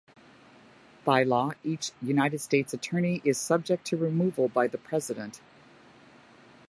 By law, each United States attorney is subject to removal by the President.